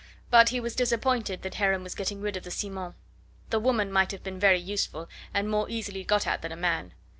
But he was disappointed that Heron was getting rid of the Simons. The woman might have been very useful and more easily got at than a man.